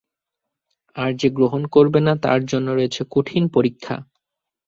আর যে গ্রহণ করবে না তার জন্য রয়েছে কঠিন পরীক্ষা।